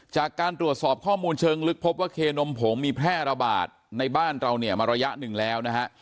จากการตรวจสอบข้อมูลเชิงลึกพบว่าเคนมผงมีแพร่ระบาดในบ้านเราเนี่ยมาระยะหนึ่งแล้วนะฮะ